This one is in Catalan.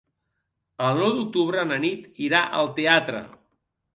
El nou d'octubre na Nit irà al teatre.